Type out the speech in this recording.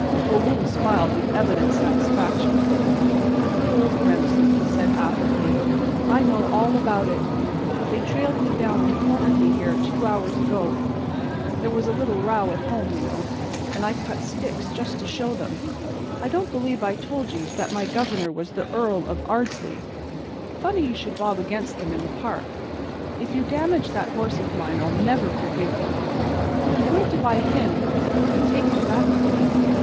O'Roon smiled with evident satisfaction. "Good old Remsen," he said, affably, "I know all about it. They trailed me down and cornered me here two hours ago. There was a little row at home, you know, and I cut sticks just to show them. I don't believe I told you that my Governor was the Earl of Ardsley. Funny you should bob against them in the Park. If you damaged that horse of mine I'll never forgive you. I'm going to buy him and take him back with me.